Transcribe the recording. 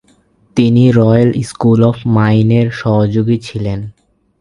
তিনি royal school of মাইনের সহযোগী হয়েছিলেন।